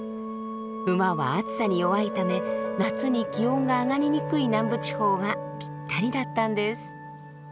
馬は暑さに弱いため夏に気温が上がりにくい南部地方はぴったりだったのです。